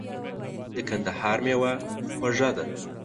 د کندهار مېوه خوږه ده .